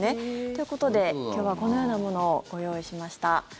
ということで今日はこのようなものをご用意しました。